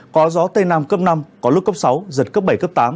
có gió tây nam cấp năm có lúc cấp sáu giật cấp bảy cấp tám